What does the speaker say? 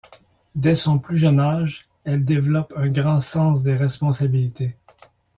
Dès son plus jeune âge, elle développe un grand sens des responsabilités.